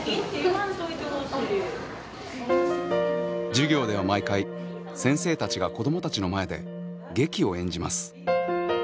授業では毎回先生たちが子どもたちの前で劇を演じます。